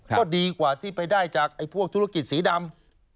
ก็ดีกว่าที่ไปได้จากพวกธุรกิจสีดำ